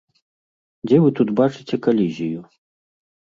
Дзе вы тут бачыце калізію?